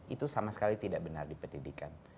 itu sama sekali tidak benar di pendidikan